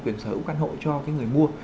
quyền sở hữu căn hộ cho người mua